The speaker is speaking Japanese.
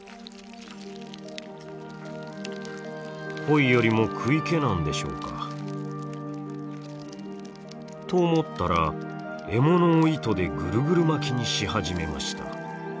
恋よりも食い気なんでしょうか？と思ったら獲物を糸でぐるぐる巻きにし始めました。